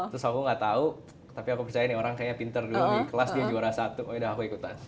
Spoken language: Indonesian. terus aku gak tau tapi aku percaya nih orang kayaknya pinter dulu di kelas dia juara satu oh yaudah aku ikutan